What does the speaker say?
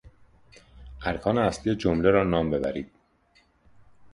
ارکان اصلی جمله را نام ببرید.